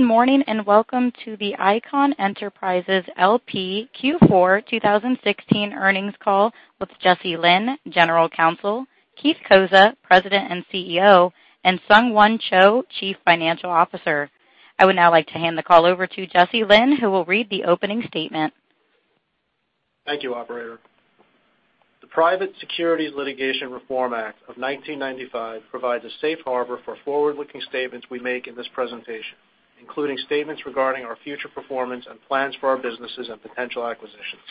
Good morning, welcome to the Icahn Enterprises L.P. Q4 2016 earnings call with Jesse Lynn, General Counsel, Keith Cozza, President and CEO, and Sung Won Cho, Chief Financial Officer. I would now like to hand the call over to Jesse Lynn, who will read the opening statement. Thank you, operator. The Private Securities Litigation Reform Act of 1995 provides a safe harbor for forward-looking statements we make in this presentation, including statements regarding our future performance and plans for our businesses and potential acquisitions.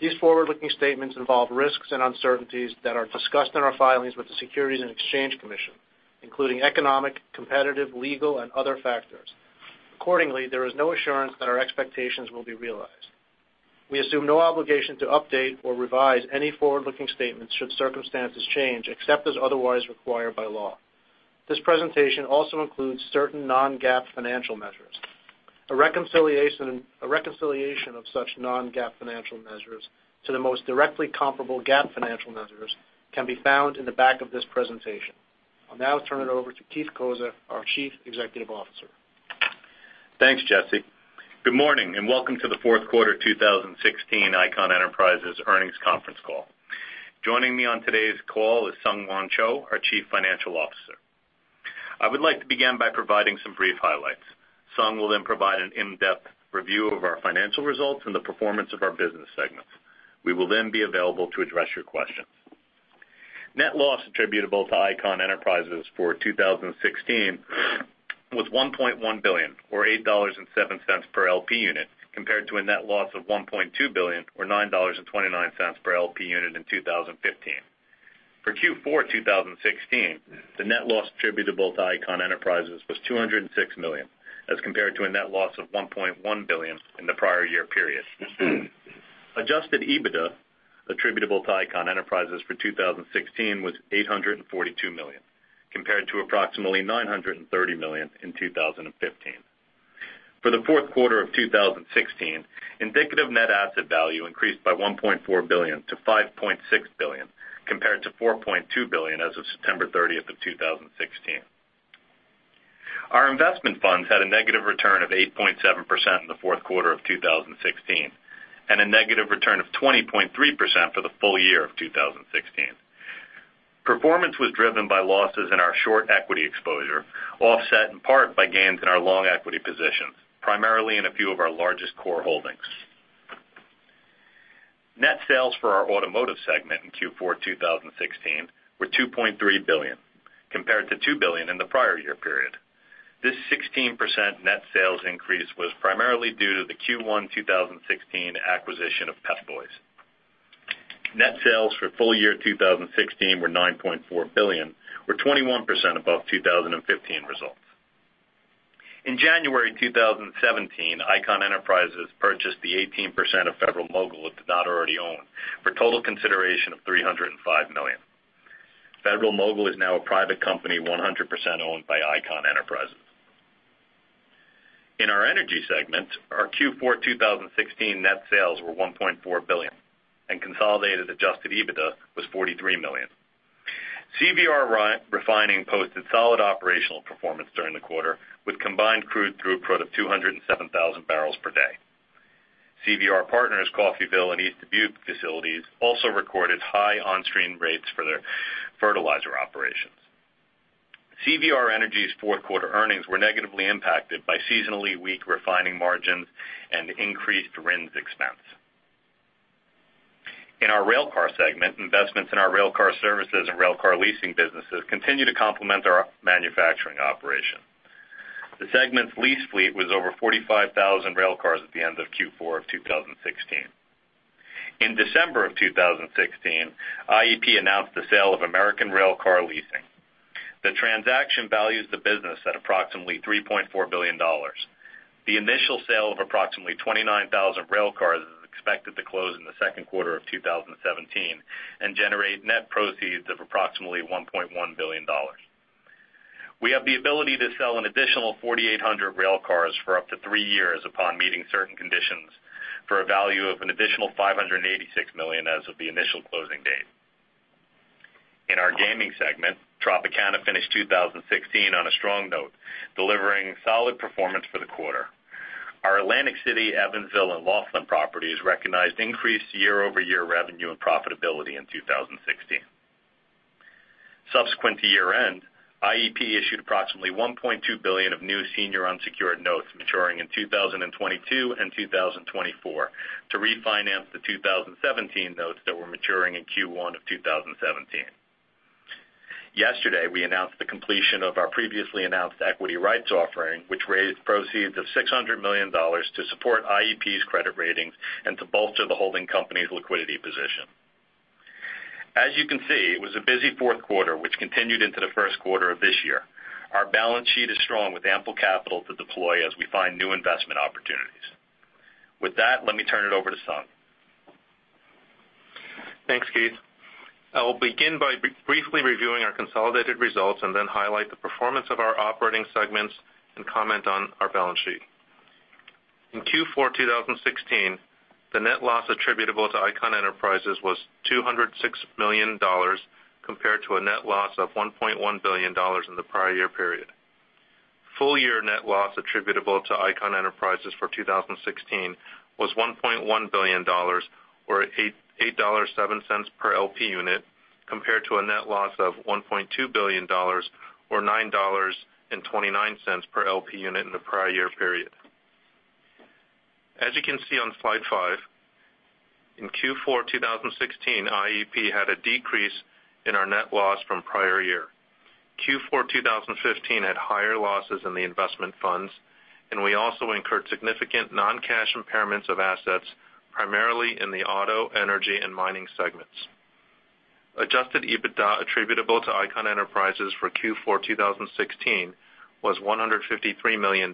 These forward-looking statements involve risks and uncertainties that are discussed in our filings with the Securities and Exchange Commission, including economic, competitive, legal, and other factors. Accordingly, there is no assurance that our expectations will be realized. We assume no obligation to update or revise any forward-looking statements should circumstances change, except as otherwise required by law. This presentation also includes certain non-GAAP financial measures. A reconciliation of such non-GAAP financial measures to the most directly comparable GAAP financial measures can be found in the back of this presentation. I'll now turn it over to Keith Cozza, our Chief Executive Officer. Thanks, Jesse. Good morning, welcome to the fourth quarter 2016 Icahn Enterprises earnings conference call. Joining me on today's call is Sung Won Cho, our Chief Financial Officer. I would like to begin by providing some brief highlights. Sung will provide an in-depth review of our financial results and the performance of our business segments. We will then be available to address your questions. Net loss attributable to Icahn Enterprises for 2016 was $1.1 billion, or $8.07 per LP unit, compared to a net loss of $1.2 billion or $9.29 per LP unit in 2015. For Q4 2016, the net loss attributable to Icahn Enterprises was $206 million, as compared to a net loss of $1.1 billion in the prior year period. Adjusted EBITDA attributable to Icahn Enterprises for 2016 was $842 million, compared to approximately $930 million in 2015. For the fourth quarter of 2016, indicative net asset value increased by $1.4 billion to $5.6 billion, compared to $4.2 billion as of September 30th of 2016. Our investment funds had a negative return of 8.7% in the fourth quarter of 2016, and a negative return of 20.3% for the full year of 2016. Performance was driven by losses in our short equity exposure, offset in part by gains in our long equity positions, primarily in a few of our largest core holdings. Net sales for our automotive segment in Q4 2016 were $2.3 billion, compared to $2 billion in the prior year period. This 16% net sales increase was primarily due to the Q1 2016 acquisition of Pep Boys. Net sales for full year 2016 were $9.4 billion, or 21% above 2015 results. In January 2017, Icahn Enterprises purchased the 18% of Federal-Mogul it did not already own, for total consideration of $305 million. Federal-Mogul is now a private company 100% owned by Icahn Enterprises. In our energy segment, our Q4 2016 net sales were $1.4 billion, and consolidated adjusted EBITDA was $43 million. CVR Refining posted solid operational performance during the quarter, with combined crude throughput of 207,000 barrels per day. CVR Partners' Coffeyville and East Dubuque facilities also recorded high on-stream rates for their fertilizer operations. CVR Energy's fourth quarter earnings were negatively impacted by seasonally weak refining margins and increased RINs expense. In our railcar segment, investments in our railcar services and railcar leasing businesses continue to complement our manufacturing operation. The segment's lease fleet was over 45,000 railcars at the end of Q4 of 2016. In December of 2016, IEP announced the sale of American Railcar Leasing. The transaction values the business at approximately $3.4 billion. The initial sale of approximately 29,000 railcars is expected to close in the second quarter of 2017 and generate net proceeds of approximately $1.1 billion. We have the ability to sell an additional 4,800 railcars for up to three years upon meeting certain conditions for a value of an additional $586 million as of the initial closing date. In our gaming segment, Tropicana finished 2016 on a strong note, delivering solid performance for the quarter. Our Atlantic City, Evansville, and Laughlin properties recognized increased year-over-year revenue and profitability in 2016. Subsequent to year-end, IEP issued approximately $1.2 billion of new senior unsecured notes maturing in 2022 and 2024 to refinance the 2017 notes that were maturing in Q1 of 2017. Yesterday, we announced the completion of our previously announced equity rights offering, which raised proceeds of $600 million to support IEP's credit ratings and to bolster the holding company's liquidity position. As you can see, it was a busy fourth quarter, which continued into the first quarter of this year. Our balance sheet is strong with ample capital to deploy as we find new investment opportunities. With that, let me turn it over to Sung. Thanks, Keith. I will begin by briefly reviewing our consolidated results and then highlight the performance of our operating segments and comment on our balance sheet. In Q4 2016, the net loss attributable to Icahn Enterprises was $206 million compared to a net loss of $1.1 billion in the prior year period. Full year net loss attributable to Icahn Enterprises for 2016 was $1.1 billion, or $8.07 per LP unit, compared to a net loss of $1.2 billion, or $9.29 per LP unit in the prior year period. As you can see on slide five, in Q4 2016, IEP had a decrease in our net loss from prior year. Q4 2015 had higher losses in the investment funds, and we also incurred significant non-cash impairments of assets, primarily in the auto, energy, and mining segments. Adjusted EBITDA attributable to Icahn Enterprises for Q4 2016 was $153 million,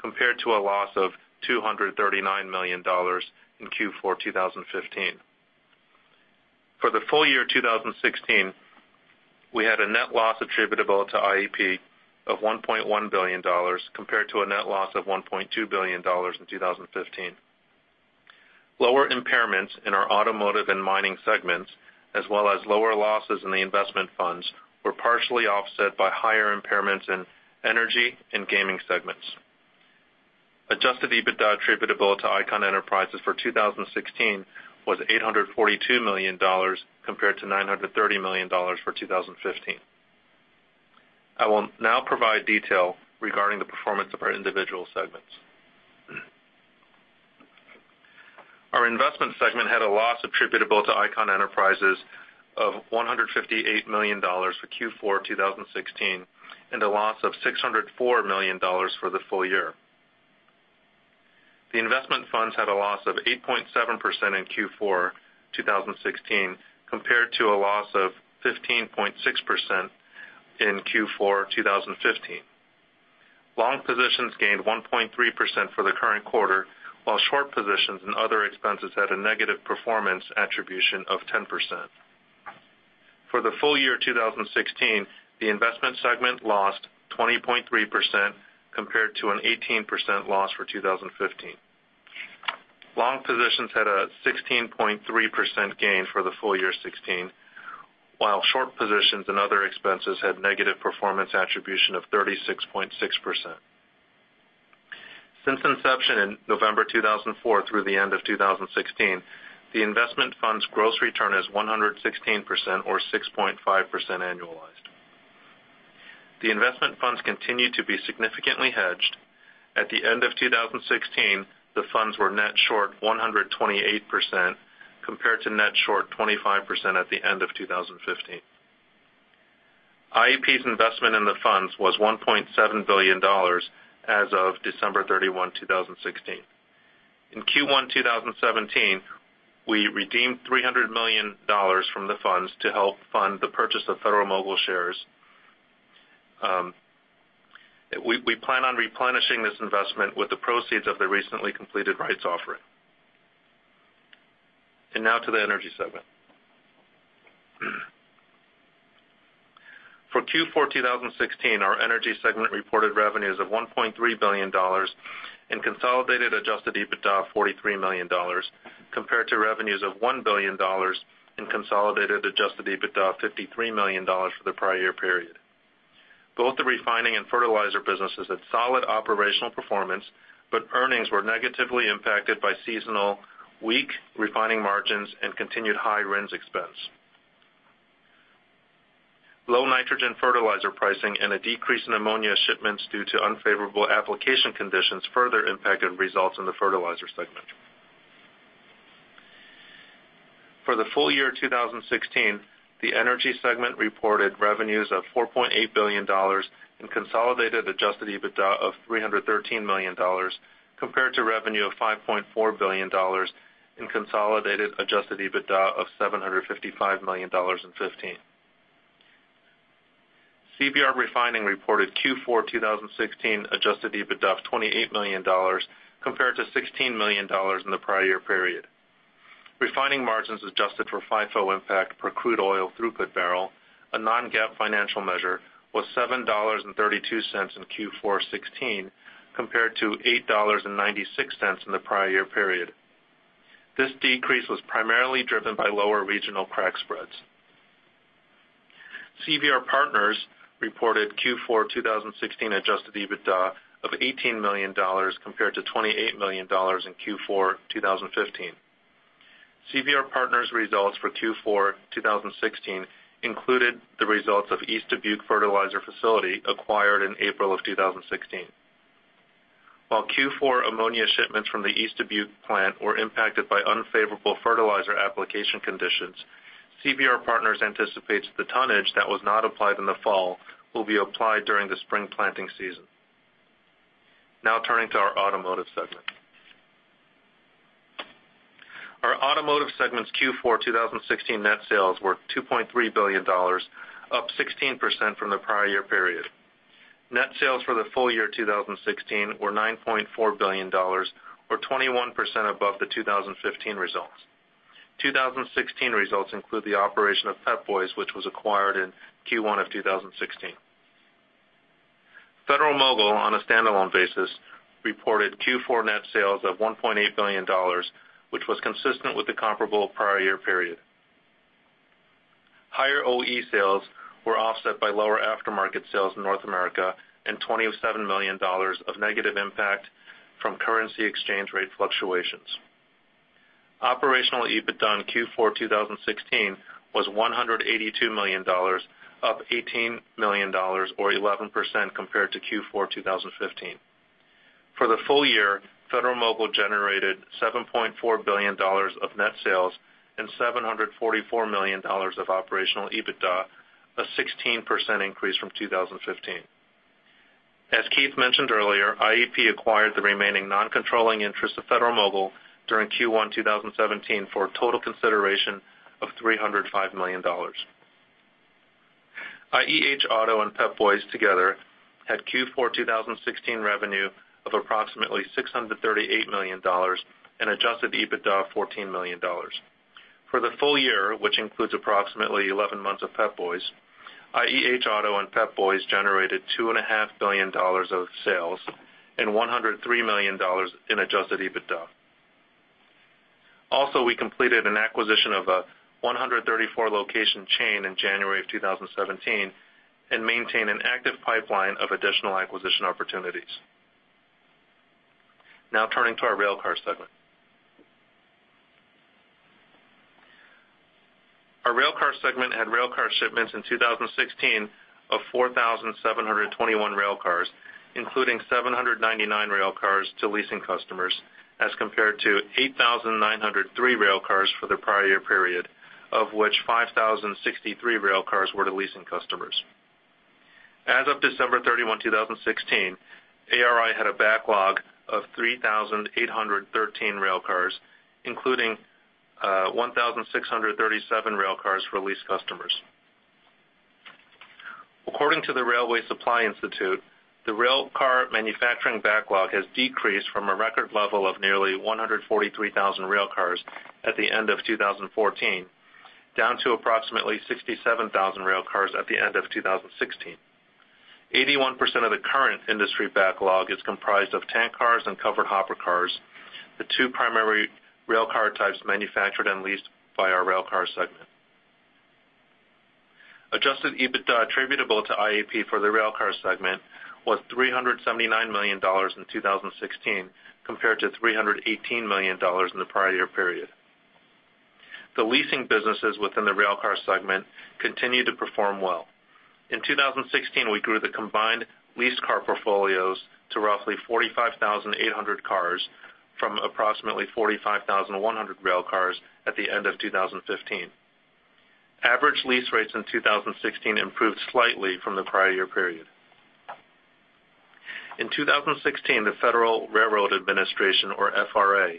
compared to a loss of $239 million in Q4 2015. For the full year 2016, we had a net loss attributable to IEP of $1.1 billion, compared to a net loss of $1.2 billion in 2015. Lower impairments in our automotive and mining segments, as well as lower losses in the investment funds, were partially offset by higher impairments in energy and gaming segments. Adjusted EBITDA attributable to Icahn Enterprises for 2016 was $842 million, compared to $930 million for 2015. I will now provide detail regarding the performance of our individual segments. Our investment segment had a loss attributable to Icahn Enterprises of $158 million for Q4 2016, and a loss of $604 million for the full year. The investment funds had a loss of 8.7% in Q4 2016, compared to a loss of 15.6% in Q4 2015. Long positions gained 1.3% for the current quarter, while short positions and other expenses had a negative performance attribution of 10%. For the full year 2016, the investment segment lost 20.3%, compared to an 18% loss for 2015. Long positions had a 16.3% gain for the full year 2016, while short positions and other expenses had negative performance attribution of 36.6%. Since inception in November 2004 through the end of 2016, the investment fund's gross return is 116%, or 6.5% annualized. The investment funds continue to be significantly hedged. At the end of 2016, the funds were net short 128%, compared to net short 25% at the end of 2015. IEP's investment in the funds was $1.7 billion as of December 31, 2016. In Q1 2017, we redeemed $300 million from the funds to help fund the purchase of Federal-Mogul shares. Now to the energy segment. For Q4 2016, our energy segment reported revenues of $1.3 billion and consolidated adjusted EBITDA of $43 million, compared to revenues of $1 billion and consolidated adjusted EBITDA of $53 million for the prior year period. Both the refining and fertilizer businesses had solid operational performance, but earnings were negatively impacted by seasonal weak refining margins and continued high RINs expense. Low nitrogen fertilizer pricing and a decrease in ammonia shipments due to unfavorable application conditions further impacted results in the fertilizer segment. For the full year 2016, the energy segment reported revenues of $4.8 billion in consolidated adjusted EBITDA of $313 million, compared to revenue of $5.4 billion in consolidated adjusted EBITDA of $755 million in 2015. CVR Refining reported Q4 2016 adjusted EBITDA of $28 million, compared to $16 million in the prior year period. Refining margins adjusted for FIFO impact per crude oil throughput barrel, a non-GAAP financial measure, was $7.32 in Q4 2016, compared to $8.96 in the prior year period. This decrease was primarily driven by lower regional crack spreads. CVR Partners reported Q4 2016 adjusted EBITDA of $18 million compared to $28 million in Q4 2015. CVR Partners results for Q4 2016 included the results of East Dubuque Nitrogen Fertilizers facility acquired in April of 2016. While Q4 ammonia shipments from the East Dubuque plant were impacted by unfavorable fertilizer application conditions, CVR Partners anticipates the tonnage that was not applied in the fall will be applied during the spring planting season. Now turning to our automotive segment. Our automotive segment's Q4 2016 net sales were $2.3 billion, up 16% from the prior year period. Net sales for the full year 2016 were $9.4 billion, or 21% above the 2015 results. 2016 results include the operation of Pep Boys, which was acquired in Q1 of 2016. Federal-Mogul, on a standalone basis, reported Q4 net sales of $1.8 billion, which was consistent with the comparable prior year period. Higher OE sales were offset by lower aftermarket sales in North America and $27 million of negative impact from currency exchange rate fluctuations. Operational EBITDA in Q4 2016 was $182 million, up $18 million, or 11%, compared to Q4 2015. For the full year, Federal-Mogul generated $7.4 billion of net sales and $744 million of operational EBITDA, a 16% increase from 2015. As Keith mentioned earlier, IEP acquired the remaining non-controlling interest of Federal-Mogul during Q1 2017 for a total consideration of $305 million. IEH Auto and Pep Boys together had Q4 2016 revenue of approximately $638 million and adjusted EBITDA of $14 million. For the full year, which includes approximately 11 months of Pep Boys, IEH Auto and Pep Boys generated $2.5 billion of sales and $103 million in adjusted EBITDA. Also, we completed an acquisition of a 134-location chain in January of 2017 and maintain an active pipeline of additional acquisition opportunities. Now turning to our Railcar segment. Our Railcar segment had railcar shipments in 2016 of 4,721 railcars, including 799 railcars to leasing customers, as compared to 8,903 railcars for the prior year period, of which 5,063 railcars were to leasing customers. As of December 31, 2016, ARI had a backlog of 3,813 railcars, including 1,637 railcars for lease customers. According to the Railway Supply Institute, the railcar manufacturing backlog has decreased from a record level of nearly 143,000 railcars at the end of 2014, down to approximately 67,000 railcars at the end of 2016. 81% of the current industry backlog is comprised of tank cars and covered hopper cars, the two primary railcar types manufactured and leased by our Railcar segment. Adjusted EBITDA attributable to IEP for the Railcar segment was $379 million in 2016, compared to $318 million in the prior year period. The leasing businesses within the Railcar segment continued to perform well. In 2016, we grew the combined leased car portfolios to roughly 45,800 cars from approximately 45,100 railcars at the end of 2015. Average lease rates in 2016 improved slightly from the prior year period. In 2016, the Federal Railroad Administration, or FRA,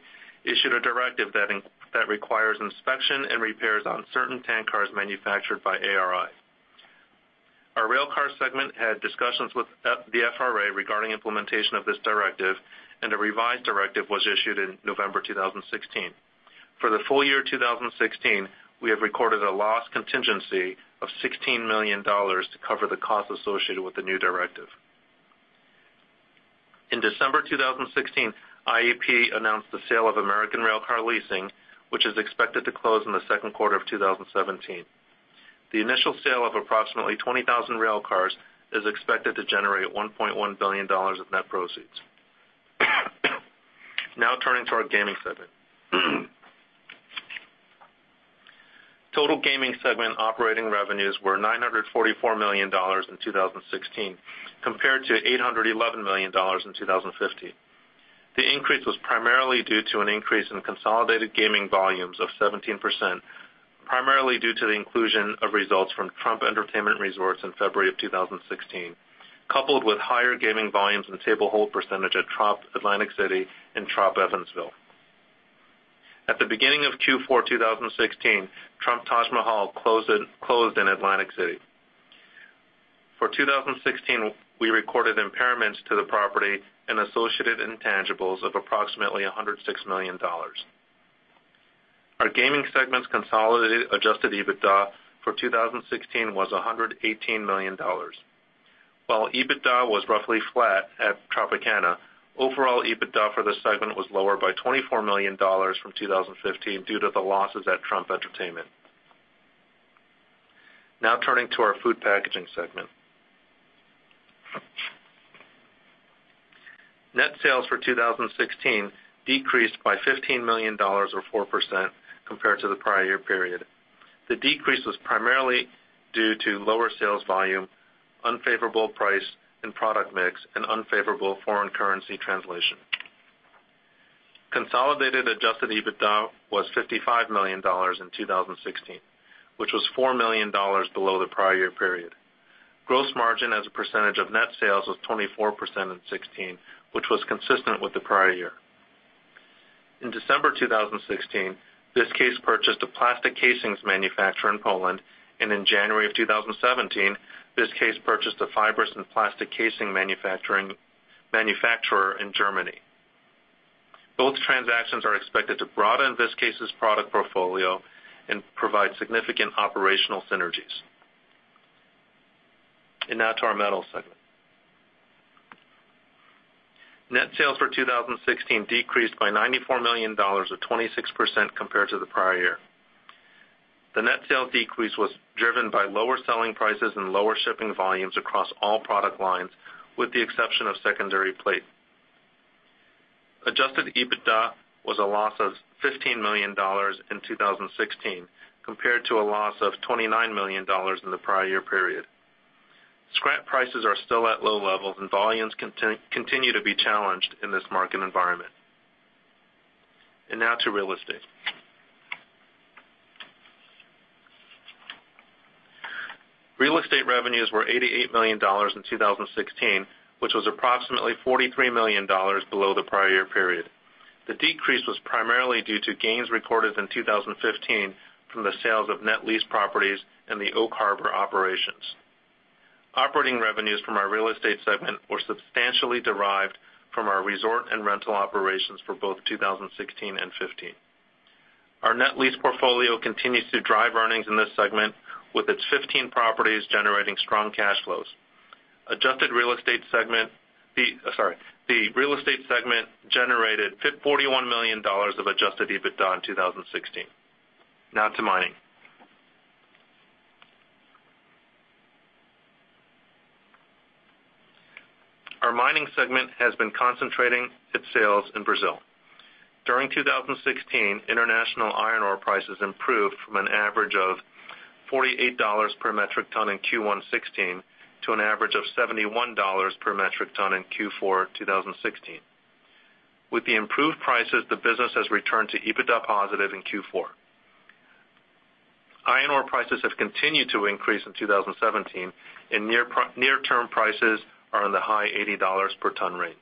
issued a directive that requires inspection and repairs on certain tank cars manufactured by ARI. Our Railcar segment had discussions with the FRA regarding implementation of this directive, and a revised directive was issued in November 2016. For the full year 2016, we have recorded a loss contingency of $16 million to cover the costs associated with the new directive. In December 2016, IEP announced the sale of American Railcar Leasing, which is expected to close in the second quarter of 2017. The initial sale of approximately 20,000 railcars is expected to generate $1.1 billion of net proceeds. Now turning to our Gaming segment. Total Gaming segment operating revenues were $944 million in 2016, compared to $811 million in 2015. The increase was primarily due to an increase in consolidated gaming volumes of 17%, primarily due to the inclusion of results from Trump Entertainment Resorts in February of 2016, coupled with higher gaming volumes and table hold percentage at Tropicana Atlantic City and Tropicana Evansville. At the beginning of Q4 2016, Trump Taj Mahal closed in Atlantic City. For 2016, we recorded impairments to the property and associated intangibles of approximately $106 million. Our Gaming segment's consolidated adjusted EBITDA for 2016 was $118 million. While EBITDA was roughly flat at Tropicana, overall EBITDA for the segment was lower by $24 million from 2015 due to the losses at Trump Entertainment. Turning to our Food Packaging segment. Net sales for 2016 decreased by $15 million, or 4%, compared to the prior year period. The decrease was primarily due to lower sales volume, unfavorable price and product mix, and unfavorable foreign currency translation. Consolidated adjusted EBITDA was $55 million in 2016, which was $4 million below the prior year period. Gross margin as a percentage of net sales was 24% in 2016, which was consistent with the prior year. In December 2016, Viskase purchased a plastic casings manufacturer in Poland, and in January of 2017, Viskase purchased a fibrous and plastic casing manufacturing manufacturer in Germany. Both transactions are expected to broaden Viskase's product portfolio and provide significant operational synergies. To our metals segment. Net sales for 2016 decreased by $94 million, or 26%, compared to the prior year. The net sales decrease was driven by lower selling prices and lower shipping volumes across all product lines, with the exception of secondary plate. Adjusted EBITDA was a loss of $15 million in 2016, compared to a loss of $29 million in the prior year period. Scrap prices are still at low levels, and volumes continue to be challenged in this market environment. To real estate. Real estate revenues were $88 million in 2016, which was approximately $43 million below the prior year period. The decrease was primarily due to gains recorded in 2015 from the sales of net lease properties and the Oak Harbor operations. Operating revenues from our real estate segment were substantially derived from our resort and rental operations for both 2016 and 2015. Our net lease portfolio continues to drive earnings in this segment, with its 15 properties generating strong cash flows. The real estate segment generated $41 million of adjusted EBITDA in 2016. To mining. Our mining segment has been concentrating its sales in Brazil. During 2016, international iron ore prices improved from an average of $48 per metric ton in Q1 2016 to an average of $71 per metric ton in Q4 2016. With the improved prices, the business has returned to EBITDA positive in Q4. Iron ore prices have continued to increase in 2017, and near-term prices are in the high $80 per ton range.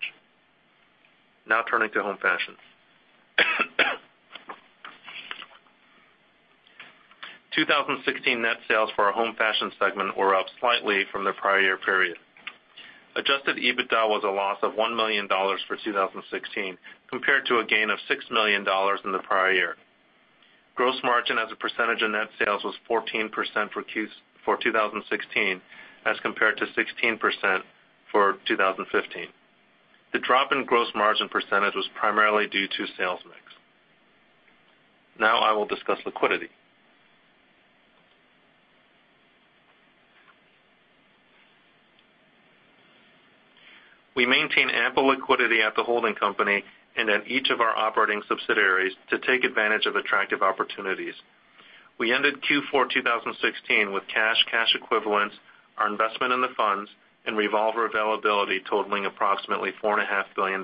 Turning to home fashion. 2016 net sales for our home fashion segment were up slightly from the prior year period. Adjusted EBITDA was a loss of $1 million for 2016, compared to a gain of $6 million in the prior year. Gross margin as a percentage of net sales was 14% for 2016 as compared to 16% for 2015. The drop in gross margin percentage was primarily due to sales mix. I will discuss liquidity. We maintain ample liquidity at the holding company and at each of our operating subsidiaries to take advantage of attractive opportunities. We ended Q4 2016 with cash equivalents, our investment in the funds, and revolver availability totaling approximately $4.5 billion.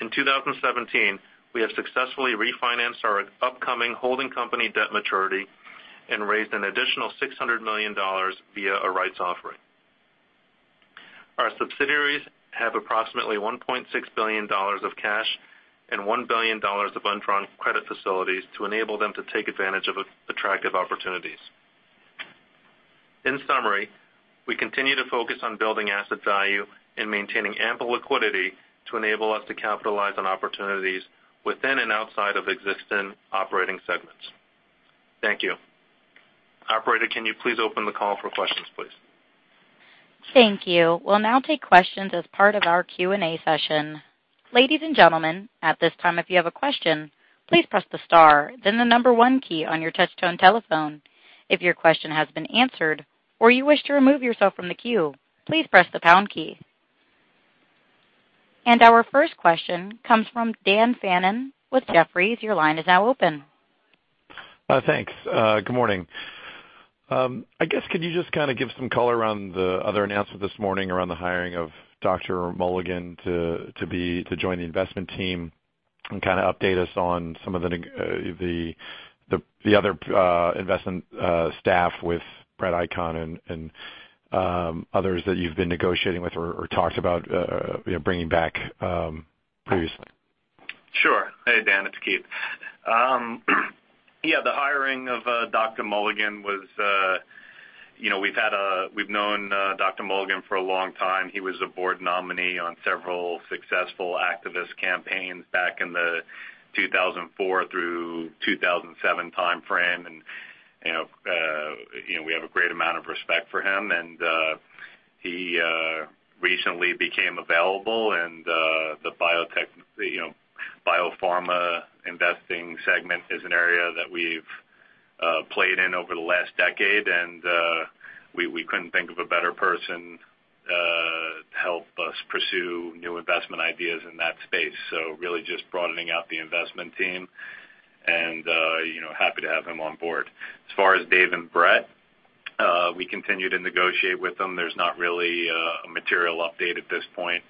In 2017, we have successfully refinanced our upcoming holding company debt maturity and raised an additional $600 million via a rights offering. Our subsidiaries have approximately $1.6 billion of cash and $1 billion of undrawn credit facilities to enable them to take advantage of attractive opportunities. In summary, we continue to focus on building asset value and maintaining ample liquidity to enable us to capitalize on opportunities within and outside of existing operating segments. Thank you. Operator, can you please open the call for questions, please? Thank you. We'll now take questions as part of our Q&A session. Ladies and gentlemen, at this time, if you have a question, please press the star then the number 1 key on your touch-tone telephone. If your question has been answered or you wish to remove yourself from the queue, please press the pound key. Our first question comes from Dan Fannon with Jefferies. Your line is now open. Thanks. Good morning. I guess could you just kind of give some color around the other announcement this morning around the hiring of Richard Mulligan to join the investment team and kind of update us on some of the other investment staff with Brett Icahn and others that you've been negotiating with or talked about bringing back previously? Sure. Hey, Dan, it's Keith. The hiring of Dr. Mulligan was We've known Dr. Mulligan for a long time. He was a board nominee on several successful activist campaigns back in the 2004 through 2007 timeframe. We have a great amount of respect for him. He recently became available, and the biopharma investing segment is an area that we've played in over the last decade, and we couldn't think of a better person to help us pursue new investment ideas in that space. Really just broadening out the investment team and happy to have him on board. As far as Dave and Brett, we continue to negotiate with them. There's not really a material update at this point.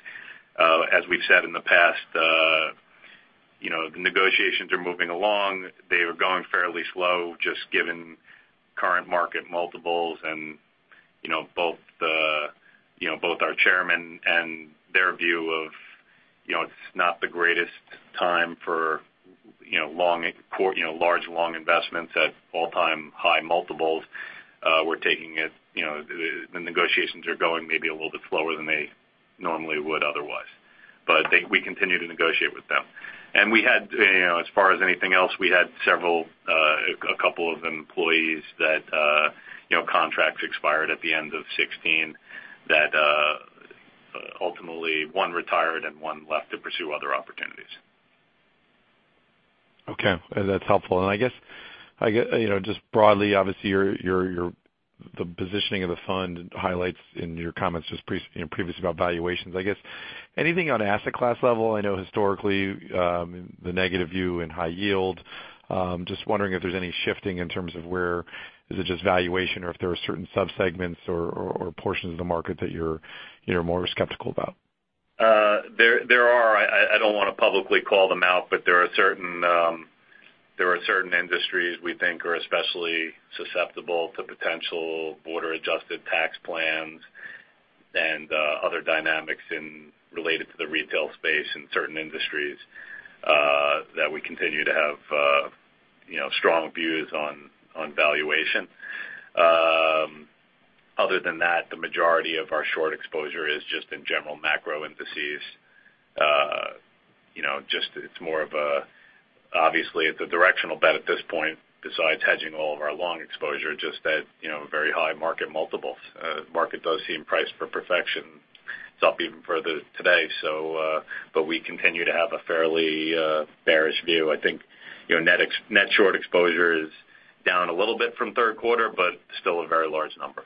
As we've said in the past, the negotiations are moving along. They are going fairly slow, just given current market multiples and both our chairman and their view of it's not the greatest Long, large long investments at all-time high multiples. The negotiations are going maybe a little bit slower than they normally would otherwise. We continue to negotiate with them. As far as anything else, we had a couple of employees that contracts expired at the end of 2016 that ultimately one retired and one left to pursue other opportunities. Okay. That's helpful. I guess, just broadly, obviously, the positioning of the fund highlights in your comments just previously about valuations. I guess, anything on asset class level? I know historically, the negative view in high yield. Just wondering if there's any shifting in terms of where, is it just valuation or if there are certain sub-segments or portions of the market that you're more skeptical about? There are. I don't want to publicly call them out, there are certain industries we think are especially susceptible to potential border-adjusted tax plans and other dynamics related to the retail space in certain industries that we continue to have strong views on valuation. Other than that, the majority of our short exposure is just in general macro indices. Obviously, it's a directional bet at this point besides hedging all of our long exposure, just at very high market multiples. Market does seem priced for perfection. It's up even further today. We continue to have a fairly bearish view. I think net short exposure is down a little bit from third quarter, still a very large number.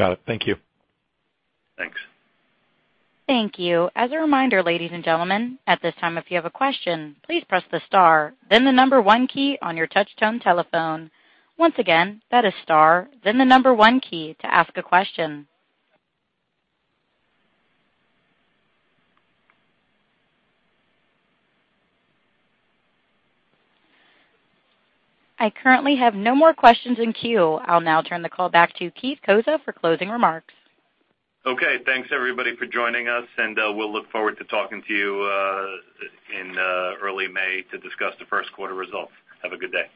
Got it. Thank you. Thanks. Thank you. As a reminder, ladies and gentlemen, at this time, if you have a question, please press the star, then the number one key on your touch-tone telephone. Once again, that is star, then the number one key to ask a question. I currently have no more questions in queue. I'll now turn the call back to Keith Cozza for closing remarks. Okay. Thanks, everybody, for joining us. We'll look forward to talking to you in early May to discuss the first quarter results. Have a good day.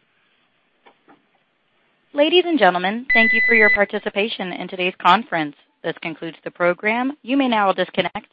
Ladies and gentlemen, thank you for your participation in today's conference. This concludes the program. You may now disconnect.